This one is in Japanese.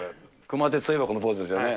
熊徹といえばこのポーズですね。